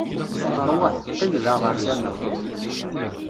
Rwaḥ, qqim da ɣer tama-w.